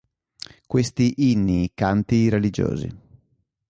Questi inni, canti religiosi.